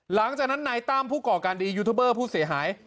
หลังจากนั้นนายตั้มผู้ก่อการดียูทูบเบอร์ผู้เสียหาย